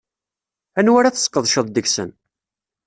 Anwa ara tesqedceḍ deg-sen?